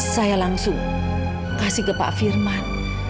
saya langsung kasih ke pak firman